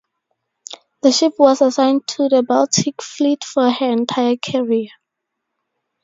The ship was assigned to the Baltic Fleet for her entire career.